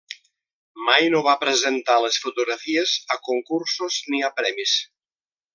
Mai no va presentar les fotografies a concursos ni a premis.